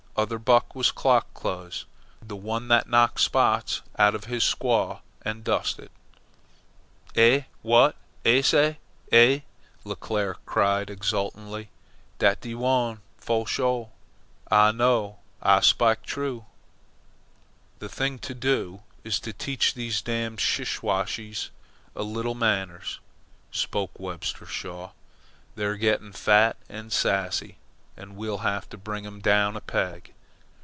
Other buck was Klok Kutz, the one that knocked spots out of his squaw and dusted." "Eh? W'at Ah say? Eh?" Leclere cried exultantly. "Dat de one fo' sure! Ah know. Ah spik true." "The thing to do is to teach these damned Siwashes a little manners," spoke Webster Shaw. "They're getting fat and sassy, and we'll have to bring them down a peg.